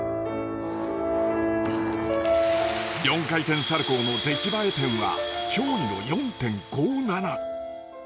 ４回転サルコーの出来栄え点は驚異の４．５７。